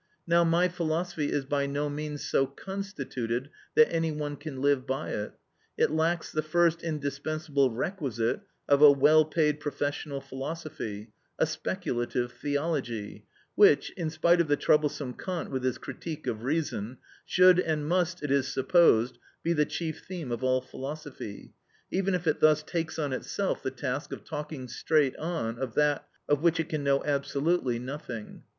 Now my philosophy is by no means so constituted that any one can live by it. It lacks the first indispensable requisite of a well paid professional philosophy, a speculative theology, which—in spite of the troublesome Kant with his Critique of Reason—should and must, it is supposed, be the chief theme of all philosophy, even if it thus takes on itself the task of talking straight on of that of which it can know absolutely nothing.